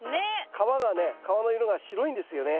皮がね皮の色が白いんですよね。